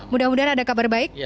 mudah mudahan ada kabar baik